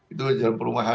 itu jalan perumahan